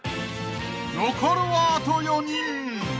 ［残るはあと４人］